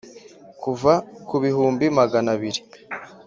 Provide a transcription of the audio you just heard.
kuva ku bihumbi magana abiri